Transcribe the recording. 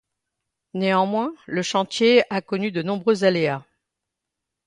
Néanmoins, le chantier, a connu de nombreux aléas.